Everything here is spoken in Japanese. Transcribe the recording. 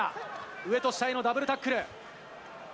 上と下へのダブルタックル。